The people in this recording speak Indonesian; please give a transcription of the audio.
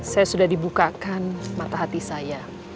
saya sudah dibukakan mata hati saya